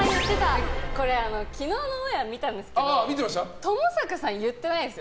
これ、昨日のオンエア見てたんですけどともさかさん、言ってないですよ。